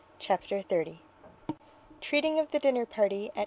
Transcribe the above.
CHAPTER XXX TREATING OF THE DINNER PARTY AT MRS.